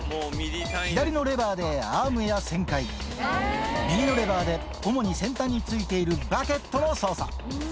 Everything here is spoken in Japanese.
左のレバーでアームや旋回、右のレバーで主に先端についているバケットを操作。